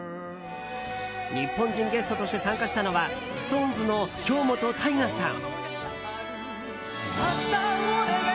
日本人ゲストとして参加したのはＳｉｘＴＯＮＥＳの京本大我さん。